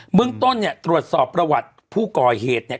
เมืองต้นเนี่ยตรวจสอบประวัติผู้ก่อเหตุเนี่ย